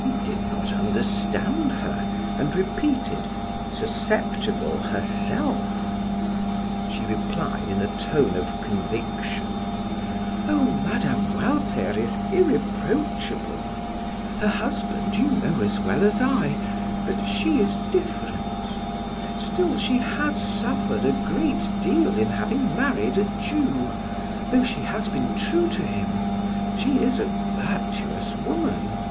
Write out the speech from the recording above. He did not understand her and repeated: "Susceptible herself?" She replied in a tone of conviction: "Oh, Mme. Walter is irreproachable. Her husband you know as well as I. But she is different. Still she has suffered a great deal in having married a Jew, though she has been true to him; she is a virtuous woman."